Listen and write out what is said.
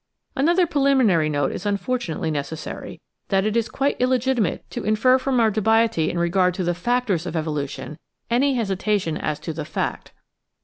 Another preliminary note is unfortunately necessary, that it is quite illegitimate to infer from our dubiety in regard to the factors of evolution any hesitation as to the faet.